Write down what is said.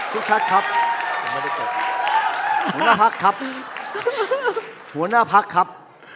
คุณชัดครับหัวหน้าพรรคครับหัวหน้าพรรคครับ